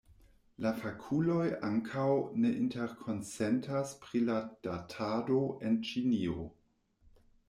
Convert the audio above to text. La fakuloj ankaŭ ne interkonsentas pri la datado en Ĉinio.